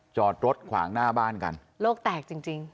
จอดรถขวางหน้าบ้านกันโลกแตกจริงจริง